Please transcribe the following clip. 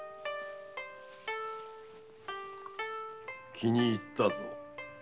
気に入ったぞ。